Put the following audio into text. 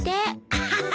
アハハ！